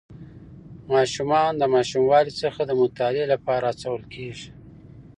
ماشومان د ماشوموالي څخه د مطالعې لپاره هڅول کېږي.